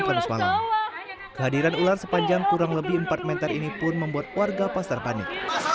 kamis malam kehadiran ular sepanjang kurang lebih empat meter ini pun membuat warga pasar panik